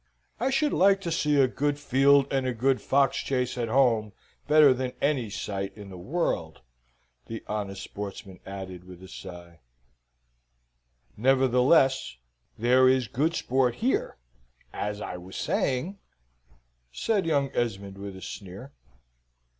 I should like to see a good field and a good fox chase at home better than any sight in the world," the honest sportsman added with a sigh. "Nevertheless, there is good sport here, as I was saying," said young Esmond, with a sneer.